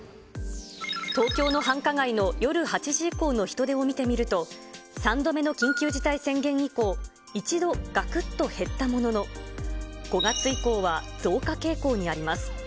東京の繁華街の夜８時以降の人出を見てみると、３度目の緊急事態宣言以降、一度がくっと減ったものの、５月以降は増加傾向にあります。